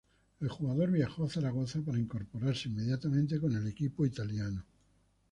El jugador viajó a Zaragoza para incorporarse inmediatamente con el equipo italiano.